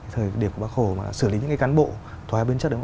thời điểm của bác hồ là xử lý những cán bộ thói hoa biến chất đó